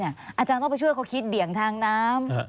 อาจารย์ต้องไปช่วยเขาคิดเบี่ยงทางน้ำ